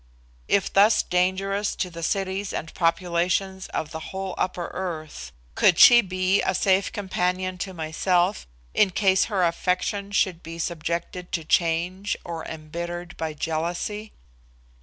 If thus dangerous to the cities and populations of the whole upper earth, could she be a safe companion to myself in case her affection should be subjected to change or embittered by jealousy?